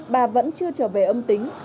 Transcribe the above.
bà vẫn chưa trở về âm tính